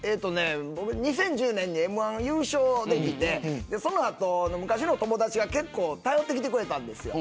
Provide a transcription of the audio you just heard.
僕２０１０年にＭ−１優勝できてその後、昔の友達が結構頼ってきてくれたんです。